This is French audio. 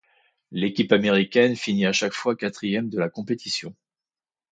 L'équipe américaine finit à chaque fois quatrième de la compétition.